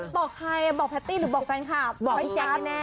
บอกใครบอกแพทตี้หรือบอกแฟนค่ะ